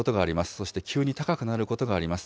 そして急に高くなることがあります。